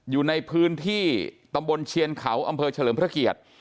อยู่ในพื้นที่ตำบลเชียนเขาอำเภอเฉลิมพระเกียรติ